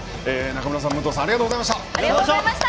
中村さん、武藤さんありがとうございました。